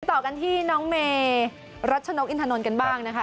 ต่อกันที่น้องเมรัชนกอินทนนท์กันบ้างนะคะ